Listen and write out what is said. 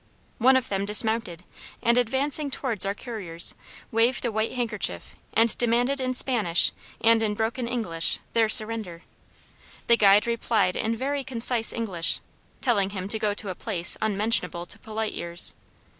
One of them dismounted, and, advancing towards our couriers, waved a white handkerchief, and demanded in Spanish and in broken English their surrender. The guide replied in very concise English, telling him to go to a place unmentionable to polite ears.